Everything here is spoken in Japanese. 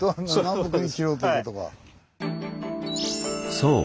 そう！